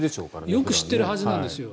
よく知ってるはずなんですよ。